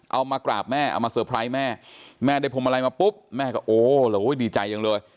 เอามากราบแม่เอามาเตอร์ไพรส์แม่แม่ได้พวงมาลัยมาปุ๊บแม่ก็โอ้แล้วดีใจจังเลย